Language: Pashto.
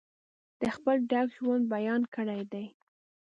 د خپل ډک ژوند بیان کړی دی.